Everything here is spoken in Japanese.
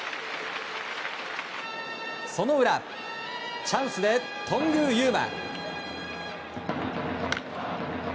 その裏、チャンスで頓宮裕真。